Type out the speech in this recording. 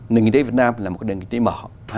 nền kinh tế việt nam là một nền kinh tế mở